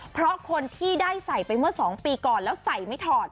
เพราะคนที่ได้ใส่ไปเมื่อ๒ปีก่อนแล้วใส่ไม่ถอด